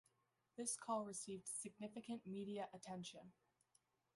This call received significant media attention.